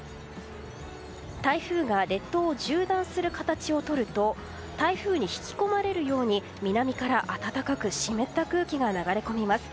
台風が列島を縦断する形をとると台風に引き込まれるように南から暖かく湿った空気が流れ込みます。